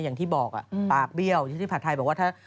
อย่างที่บอกปากเบี้ยวที่ผัดไทยบอกว่าถ้า